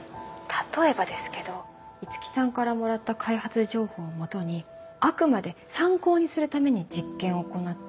例えばですけど五木さんからもらった開発情報を基にあくまで参考にするために実験を行って。